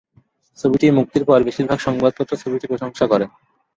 ছবিটি মুক্তির পর বেশীরভাগ সংবাদ পত্র ছবিটির প্রশংসা করে।